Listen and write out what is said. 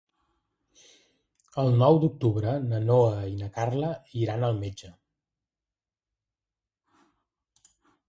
El nou d'octubre na Noa i na Carla iran al metge.